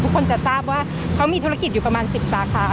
ทุกคนจะทราบว่าเขามีธุรกิจอยู่ประมาณ๑๐สาขา